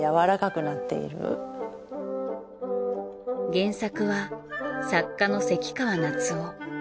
原作は作家の関川夏央。